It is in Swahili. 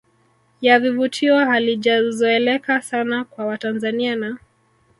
ya vivutio halijazoeleka sana kwa Watanzania na